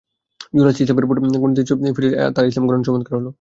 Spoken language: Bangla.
জুলাস ইসলামের গণ্ডিতে ফিরে এলেন আর তার ইসলাম গ্রহণ চমৎকার হল।